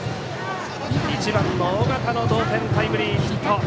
１番の緒方の同点タイムリーヒット。